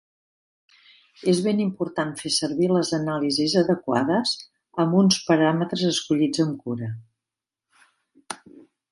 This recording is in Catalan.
És ben important fer servir les anàlisis adequades amb uns paràmetres escollits amb cura.